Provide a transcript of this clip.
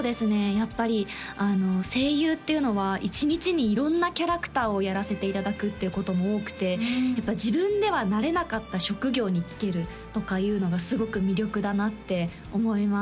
やっぱり声優っていうのは１日に色んなキャラクターをやらせていただくっていうことも多くて自分ではなれなかった職業に就けるとかいうのがすごく魅力だなって思います